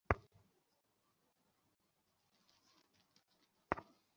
ক্রিকেটের দিনগুলোয় অনেক জন্মদিন কেটেছে মাঠে, ড্রেসিংরুমে, টিম হোটেলে কিংবা বিদেশ বিভুঁইয়ে।